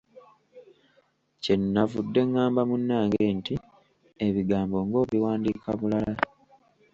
Kye nnavudde ngamba munnange nti ebigambo ng’obiwandiika bulala!